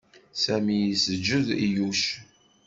Sami yesǧed i Yuc.